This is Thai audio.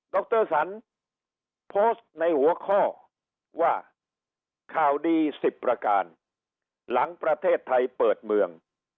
รสันโพสต์ในหัวข้อว่าข่าวดี๑๐ประการหลังประเทศไทยเปิดเมือง